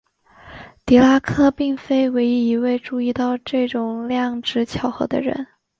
狄拉克并非唯一一位注意到这种量值巧合的人。